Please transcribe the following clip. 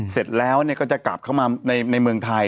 เสร็จแล้วก็จะกลับเข้ามาในเมืองไทย